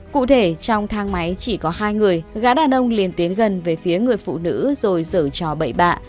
cụ thể trong thang máy chỉ có hai người gã đàn ông liền tiến gần về phía người phụ nữ rồi dở trò bậy bạ